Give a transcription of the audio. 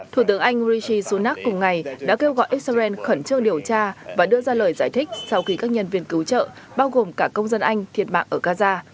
thủ tướng anh rishi sunak cùng ngày đã kêu gọi israel khẩn trương điều tra và đưa ra lời giải thích sau khi các nhân viên cứu trợ bao gồm cả công dân anh thiệt mạng ở gaza